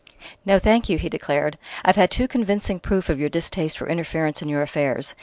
"No, thank you!" he declared. "I've had too convincing proof of your distaste for interference in your affairs.